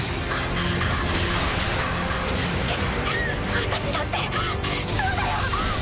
私だってそうだよ。